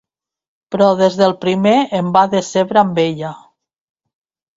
Però des del primer em va decebre amb ella.